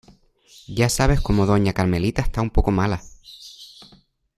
Ya sabes como doña carmelita está un poco mala.